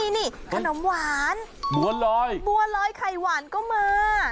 นี่ขนมหวานบัวลอยบัวลอยไข่หวานก็มา